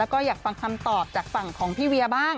แล้วก็อยากฟังคำตอบจากฝั่งของพี่เวียบ้าง